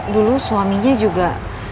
dulu suaminya juga